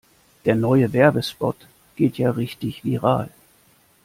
Der neue Werbespot geht ja richtig viral.